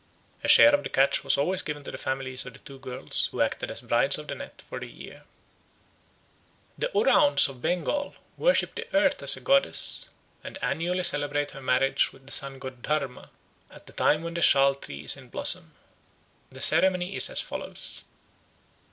A share of the catch was always given to the families of the two girls who acted as brides of the net for the year. The Oraons of Bengal worship the Earth as a goddess, and annually celebrate her marriage with the Sun god Dharme¯ at the time when the sa¯l tree is in blossom. The ceremony is as follows.